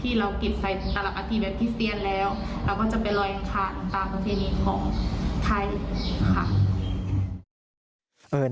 เราก็จะไปลอยขาดตามประเทศนี้ของไทยค่ะ